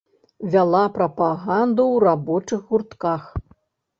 Вяла прапаганду ў рабочых гуртках.